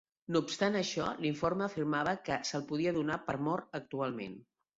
No obstant això, l'informe afirmava que se'l podia donar per mort actualment.